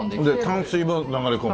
淡水も流れ込む？